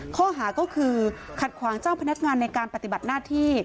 ข้อหาก็คือขัดขวางเจ้าพนักงานในการปฏิบัติหน้าที่